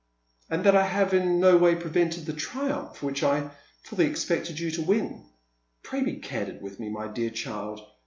" And that I have in no way prevented the triumph which I fully expected you to win. Pray be candid with me, my dear child.